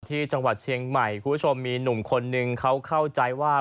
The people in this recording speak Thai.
ที่จังหวัดเชียงใหม่คุณผู้ชมมีหนุ่มคนนึงเขาเข้าใจว่า